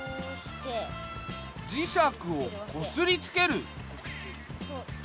磁石をこすりつける。